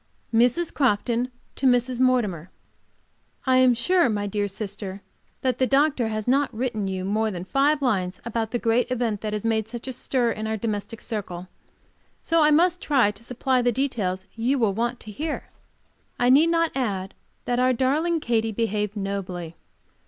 Mrs. Crofton to Mrs. Mortimer: I am sure, my dear sister, that the doctor has not written you more than five lines about the great event which has made such a stir in our domestic circle. So I must try to supply the details you will want to hear.... I need not add that our darling Katy behaved nobly.